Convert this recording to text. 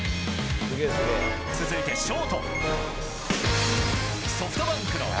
続いて、ショート。